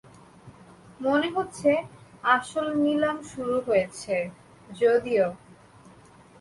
মনে হচ্ছে আসল নিলাম শুরু হয়েছে, যদিও।